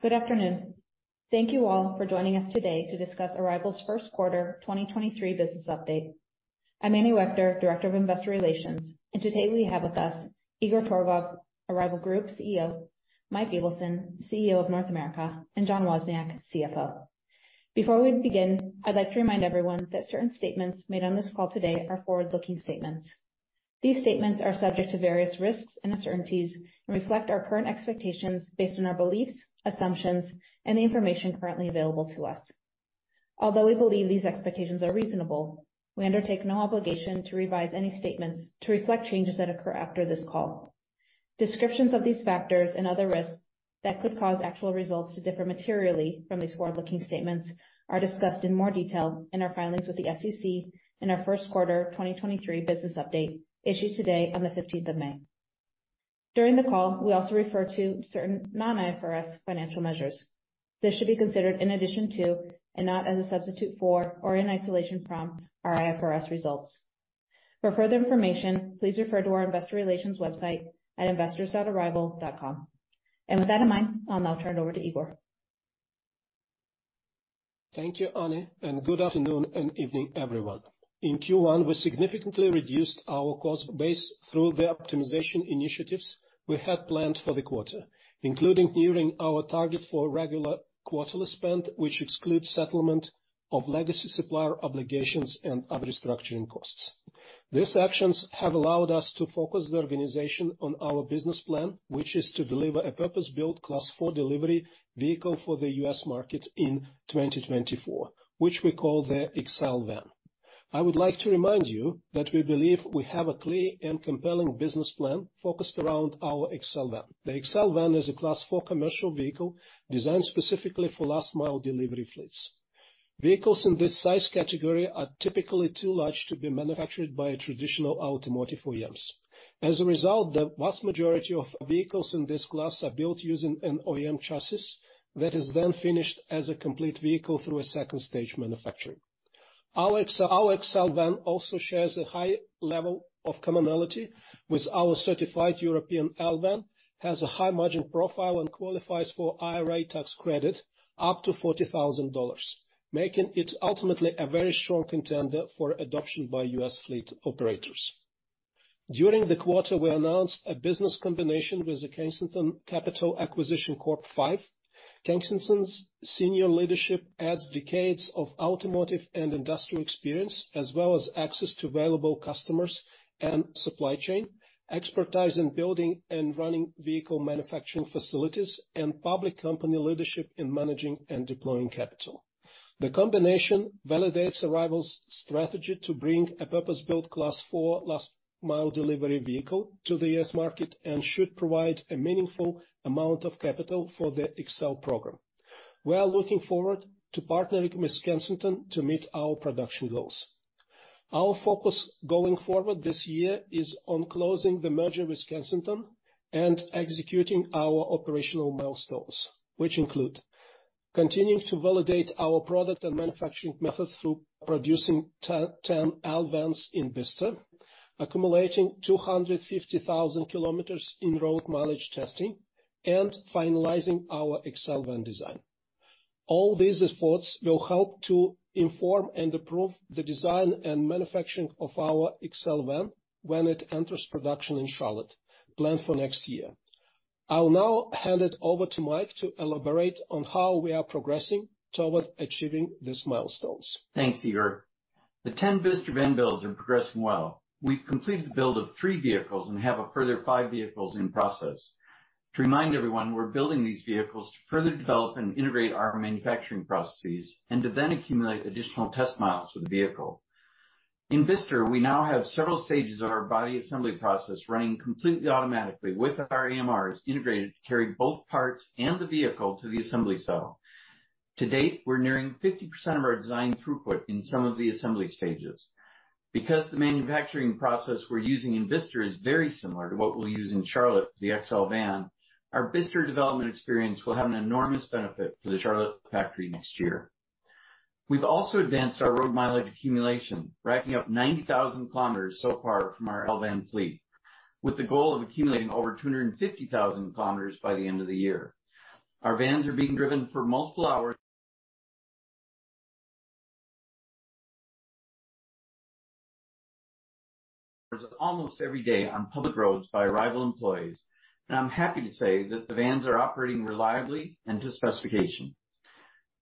Good afternoon. Thank you all for joining us today to discuss Arrival's Q1 2023 business update. I'm Annie Wechter, Director of Investor Relations, and today we have with us Igor Torgov, Arrival Group CEO, Mike Ableson, CEO of North America, and John Wozniak, CFO. Before we begin, I'd like to remind everyone that certain statements made on this call today are forward-looking statements. These statements are subject to various risks and uncertainties and reflect our current expectations based on our beliefs, assumptions, and the information currently available to us. Although we believe these expectations are reasonable, we undertake no obligation to revise any statements to reflect changes that occur after this call. Descriptions of these factors and other risks that could cause actual results to differ materially from these forward-looking statements are discussed in more detail in our filings with the SEC in our Q1 2023 business update issued today on May 15th. During the call, we also refer to certain non-IFRS financial measures. This should be considered in addition to and not as a substitute for or in isolation from our IFRS results. For further information, please refer to our investor relations website at investors.arrival.com. With that in mind, I'll now turn it over to Igor. Thank you, Annie, and good afternoon and evening, everyone. In Q1, we significantly reduced our cost base through the optimization initiatives we had planned for the quarter, including nearing our target for regular quarterly spend, which excludes settlement of legacy supplier obligations and other restructuring costs. These actions have allowed us to focus the organization on our business plan, which is to deliver a purpose-built Class 4 delivery vehicle for the US market in 2024, which we call the XL Van. I would like to remind you that we believe we have a clear and compelling business plan focused around our XL Van. The XL Van is a Class 4 commercial vehicle designed specifically for last-mile delivery fleets. Vehicles in this size category are typically too large to be manufactured by traditional automotive OEMs. As a result, the vast majority of vehicles in this class are built using an OEM chassis that is then finished as a complete vehicle through a second stage manufacturing. Our XL Van also shares a high level of commonality with our certified European L Van, has a high margin profile and qualifies for IRA tax credit up to $40,000, making it ultimately a very strong contender for adoption by US fleet operators. During the quarter, we announced a business combination with Kensington Capital Acquisition Corp. V. Kensington's senior leadership adds decades of automotive and industrial experience, as well as access to available customers and supply chain, expertise in building and running vehicle manufacturing facilities, and public company leadership in managing and deploying capital. The combination validates Arrival's strategy to bring a purpose-built Class 4 last-mile delivery vehicle to the US market and should provide a meaningful amount of capital for the XL program. We are looking forward to partnering with Kensington to meet our production goals. Our focus going forward this year is on closing the merger with Kensington and executing our operational milestones, which include continuing to validate our product and manufacturing methods through producing 10 L Vans in Bicester, accumulating 250,000 kilometers in road mileage testing, and finalizing our XL Van design. All these efforts will help to inform and improve the design and manufacturing of our XL Van when it enters production in Charlotte, planned for next year. I'll now hand it over to Mike to elaborate on how we are progressing towards achieving these milestones. Thanks, Igor. The 10 Bicester van builds are progressing well. We've completed the build of three vehicles and have a further five vehicles in process. To remind everyone, we're building these vehicles to further develop and integrate our manufacturing processes and to then accumulate additional test miles for the vehicle. In Bicester, we now have several stages of our body assembly process running completely automatically with our AMRs integrated to carry both parts and the vehicle to the assembly cell. To date, we're nearing 50% of our design throughput in some of the assembly stages. Because the manufacturing process we're using in Bicester is very similar to what we'll use in Charlotte for the XL Van, our Bicester development experience will have an enormous benefit for the Charlotte factory next year. We've also advanced our road mileage accumulation, racking up 90,000 km so far from our L Van fleet, with the goal of accumulating over 250,000 km by the end of the year. Our vans are being driven for multiple hours almost every day on public roads by Arrival employees, and I'm happy to say that the vans are operating reliably and to specification.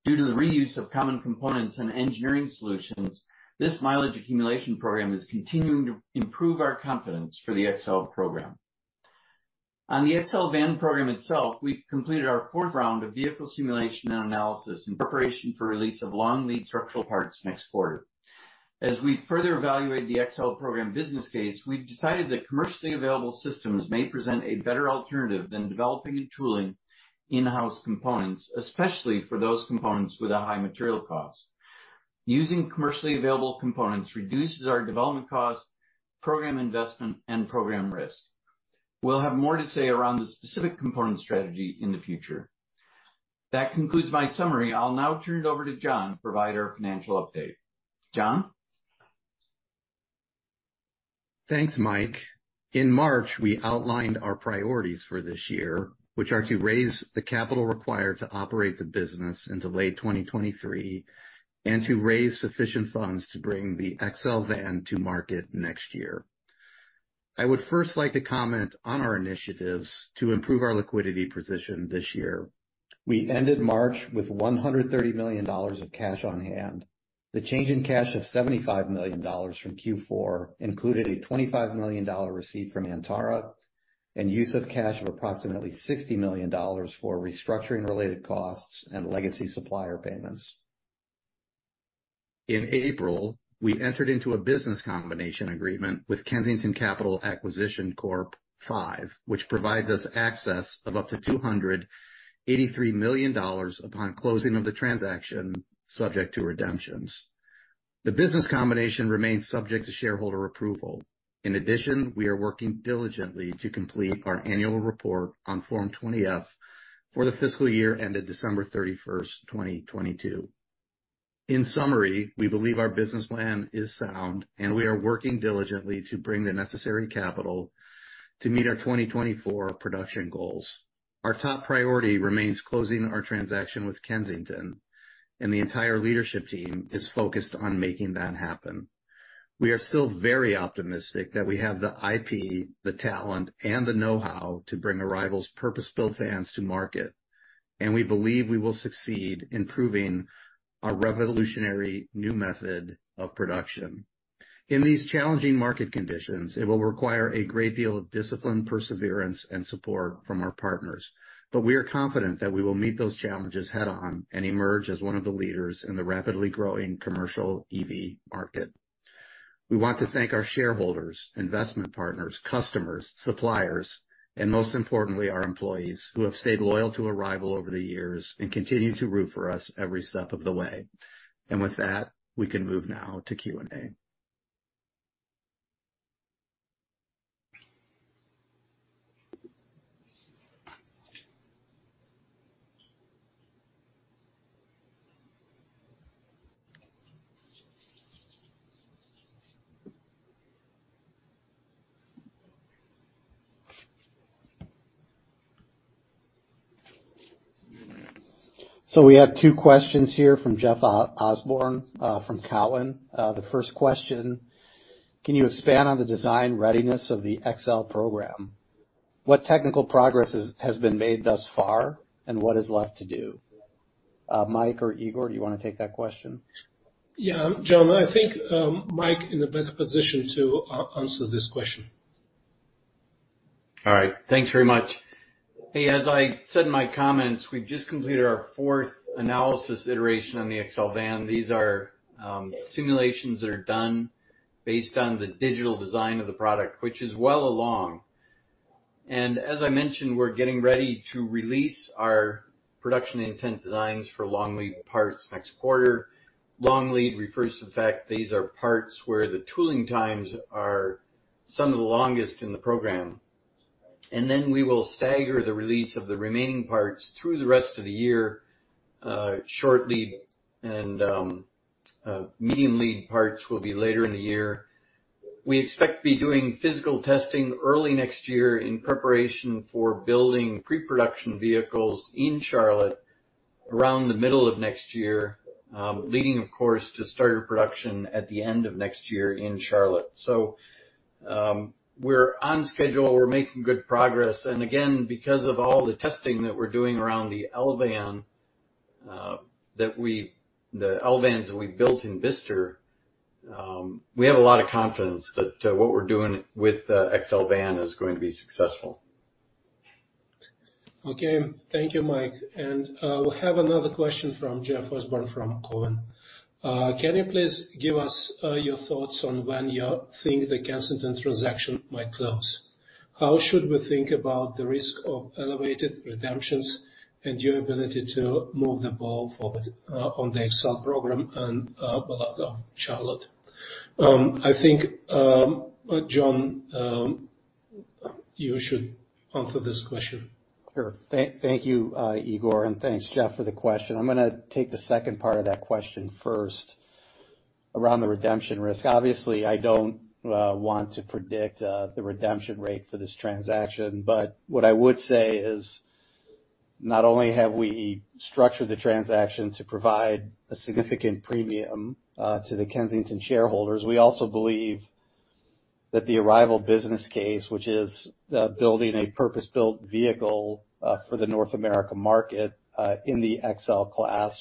Due to the reuse of common components and engineering solutions, this mileage accumulation program is continuing to improve our confidence for the XL program. On the XL Van program itself, we've completed our fourth round of vehicle simulation and analysis in preparation for release of long lead structural parts next quarter. As we further evaluate the XL program business case, we've decided that commercially available systems may present a better alternative than developing and tooling in-house components, especially for those components with a high material cost. Using commercially available components reduces our development cost, program investment, and program risk. We'll have more to say around the specific component strategy in the future. That concludes my summary. I'll now turn it over to John to provide our financial update. John? Thanks, Mike. In March, we outlined our priorities for this year, which are to raise the capital required to operate the business into late 2023, and to raise sufficient funds to bring the XL Van to market next year. I would first like to comment on our initiatives to improve our liquidity position this year. We ended March with $130 million of cash on hand. The change in cash of $75 million from Q4 included a $25 million receipt from Antara Capital and use of cash of approximately $60 million for restructuring related costs and legacy supplier payments. In April, we entered into a business combination agreement with Kensington Capital Acquisition Corp., which provides us access of up to $283 million upon closing of the transaction, subject to redemptions. The business combination remains subject to shareholder approval. In addition, we are working diligently to complete our annual report on Form 20-F for the fiscal year ended December 31st, 2022. In summary, we believe our business plan is sound, and we are working diligently to bring the necessary capital to meet our 2024 production goals. Our top priority remains closing our transaction with Kensington, and the entire leadership team is focused on making that happen. We are still very optimistic that we have the IP, the talent, and the know-how to bring Arrival's purpose-built vans to market, and we believe we will succeed in proving a revolutionary new method of production. In these challenging market conditions, it will require a great deal of discipline, perseverance, and support from our partners. We are confident that we will meet those challenges head on and emerge as one of the leaders in the rapidly growing commercial EV market. We want to thank our shareholders, investment partners, customers, suppliers, and most importantly, our employees who have stayed loyal to Arrival over the years and continue to root for us every step of the way. With that, we can move now to Q&A. We have two questions here from Jeff Osborne from Cowen. The first question, can you expand on the design readiness of the XL program? What technical progress has been made thus far, and what is left to do? Mike or Igor, do you want to take that question? John, I think, Mike in a better position to answer this question. All right. Thanks very much. As I said in my comments, we've just completed our fourth analysis iteration on the XL Van. These are simulations that are done based on the digital design of the product, which is well along. As I mentioned, we're getting ready to release our production intent designs for long lead parts next quarter. Long lead refers to the fact these are parts where the tooling times are some of the longest in the program. We will stagger the release of the remaining parts through the rest of the year. Short lead and medium lead parts will be later in the year. We expect to be doing physical testing early next year in preparation for building pre-production vehicles in Charlotte around the middle of next year, leading, of course, to starter production at the end of next year in Charlotte. We're on schedule. We're making good progress. Again, because of all the testing that we're doing around the L Van, the L Vans that we built in Bicester, we have a lot of confidence that what we're doing with the XL Van is going to be successful. Okay. Thank you, Mike. We have another question from Jeff Osborne from Cowen. Can you please give us your thoughts on when you think the Kensington transaction might close? How should we think about the risk of elevated redemptions and your ability to move the ball forward on the XL program and Charlotte? I think John, you should answer this question. Sure. Thank you, Igor, and thanks, Jeff, for the question. I'm going to take the second part of that question first around the redemption risk. Obviously, I don't want to predict the redemption rate for this transaction, but what I would say is not only have we structured the transaction to provide a significant premium to the Kensington shareholders, we also believe that the Arrival business case, which is building a purpose-built vehicle for the North America market in the XL class,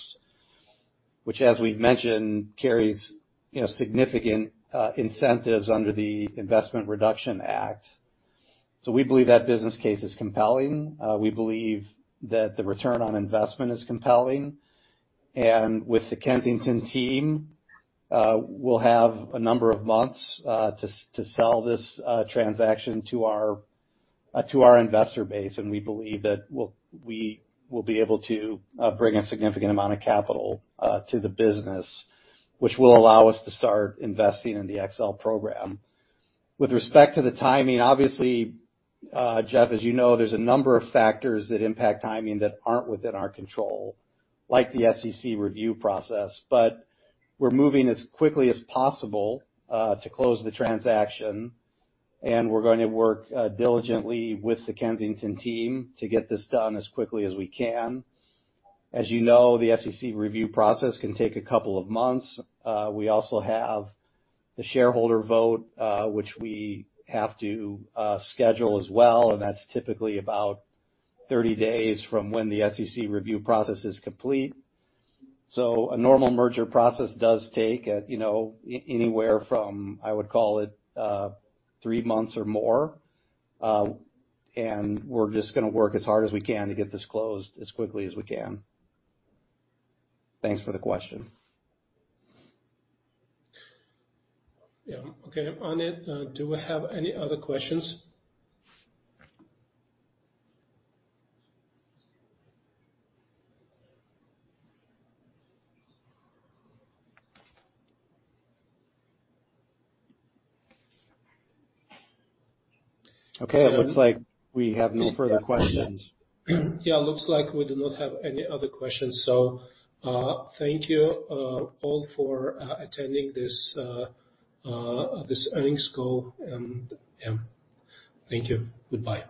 which as we've mentioned, carries significant incentives under the Inflation Reduction Act. We believe that business case is compelling. We believe that the return on investment is compelling. With the Kensington team, we'll have a number of months to sell this transaction to our investor base. We believe that we will be able to bring a significant amount of capital to the business, which will allow us to start investing in the XL program. With respect to the timing, obviously, Jeff, as you know, there's a number of factors that impact timing that aren't within our control, like the SEC review process. We're moving as quickly as possible to close the transaction, and we're going to work diligently with the Kensington team to get this done as quickly as we can. As you know, the SEC review process can take a couple of months. We also have the shareholder vote, which we have to schedule as well, and that's typically about 30 days from when the SEC review process is complete. A normal merger process does take anywhere from, I would call it, three months or more. We're just going to work as hard as we can to get this closed as quickly as we can. Thanks for the question. Okay. Annie, do we have any other questions? Okay. It looks like we have no further questions. Yes. It looks like we do not have any other questions. Thank you all for attending this earnings call. Thank you. Goodbye.